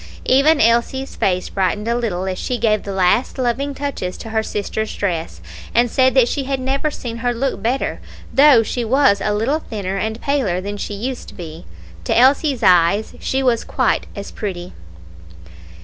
Even Elsie's face brightened a little as she gave the last loving touches to her sister's dress, and said that she had never seen her look better, though she was a little thinner and paler than she used to be to Elsie's eyes she was quite as pretty.